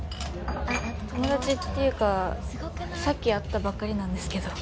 友達っていうかさっき会ったばっかりなんですけど。